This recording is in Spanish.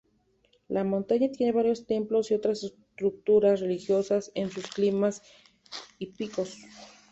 La montaña tiene varios templos y otras estructuras religiosas en sus cimas y picos.